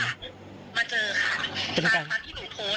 มาเจอค่ะตามที่หนูโพสต์นะคะ